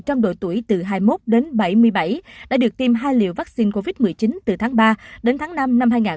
trong độ tuổi từ hai mươi một đến bảy mươi bảy đã được tiêm hai liều vaccine covid một mươi chín từ tháng ba đến tháng năm năm hai nghìn hai mươi